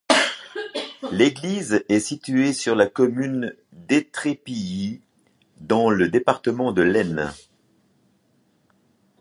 L'église est située sur la commune de Étrépilly, dans le département de l'Aisne.